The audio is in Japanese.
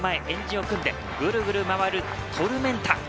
円陣を組んでグルグル回るトルメンタ。